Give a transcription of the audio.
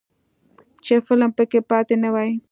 چې فلم پکې پاتې نه وي.